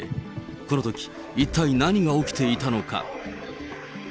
このとき、一体、何が起きていたのか。